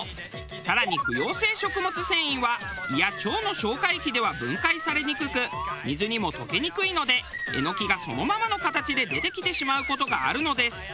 更に不溶性食物繊維は胃や腸の消化液では分解されにくく水にも溶けにくいのでエノキがそのままの形で出てきてしまう事があるのです。